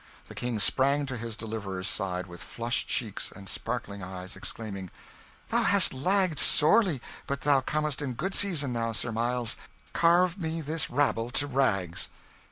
The King sprang to his deliverer's side, with flushed cheeks and sparkling eyes, exclaiming "Thou hast lagged sorely, but thou comest in good season, now, Sir Miles; carve me this rabble to rags!"